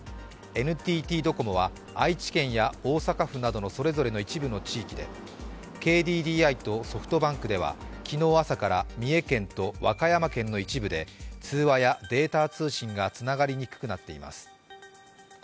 ＮＴＴドコモは愛知県や大阪府などそれぞれの一部の地域で、ＫＤＤＩとソフトバンクでは昨日朝から三重県と和歌山県の一部で通話やデータ通信がつながりにくくなっています。